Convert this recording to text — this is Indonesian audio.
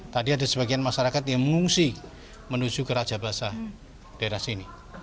tadi ada sebagian masyarakat yang mengungsi menuju ke raja basah daerah sini